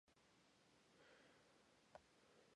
Bartlett's ghost and Patricia hunt down Frank and Lucy.